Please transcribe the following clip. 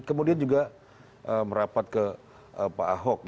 kemudian juga merapat ke pak ahok